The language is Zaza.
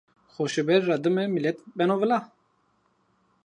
Xoşebere ra dime milet beno vila